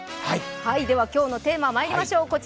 今日のテーマまいりましょう。